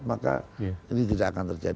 maka ini tidak akan terjadi